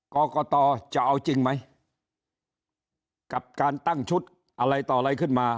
กรกตจะเอาจริงไหมกับการตั้งชุดอะไรต่ออะไรขึ้นมา